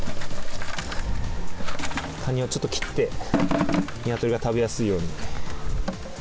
カニをちょっと切って、ニワトリが食べやすいように。